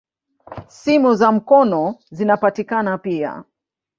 Simu za mkono zinapatikana pia.